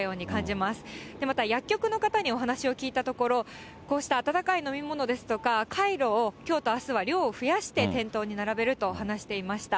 また薬局の方にお話を聞いたところ、こうした温かい飲み物ですとか、カイロをきょうとあすは量を増やして店頭に並べると話していました。